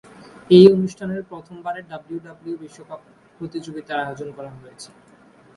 এই অনুষ্ঠানের প্রথম বারের ডাব্লিউডাব্লিউই বিশ্বকাপ প্রতিযোগিতার আয়োজন করা হয়েছে।